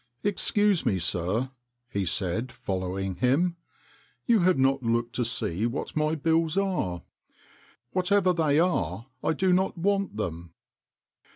"Excuse me, sir," he said, following him, "you have not looked to see what my bills are." " Whatever they are I do not want them."